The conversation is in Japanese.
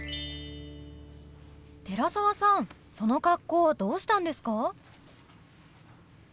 寺澤さんその格好どうしたんですか？